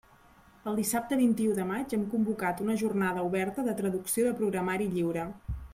El dissabte vint-i-u de maig hem convocat una Jornada oberta de traducció de programari lliure.